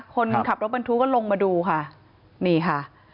คนขับรถบรรทุกก็ลงมาดูค่ะนี่ค่ะ